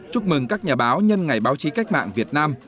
chúc mừng các nhà báo nhân ngày báo chí cách mạng việt nam